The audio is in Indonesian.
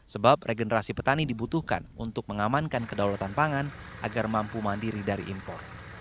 sebab regenerasi petani dibutuhkan untuk mengamankan kedaulatan pangan agar mampu mandiri dari impor